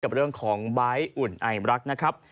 กับเรื่องของบ้ายอุ่นอายมรักนะครับ